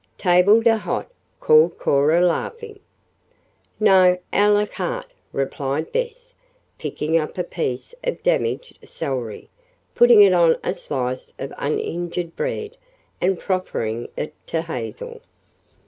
"Table d'hote?" called Cora, laughing. "No, a la carte," replied Bess, picking up a piece of damaged celery, putting it on a slice of uninjured bread and proffering it to Hazel.